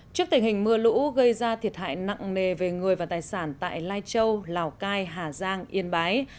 trước tình hình mưa lũ gây ra thiệt hại nặng nề về người và tài sản tại lai châu lào cai hà giang yên bái